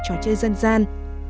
trò chơi dân gian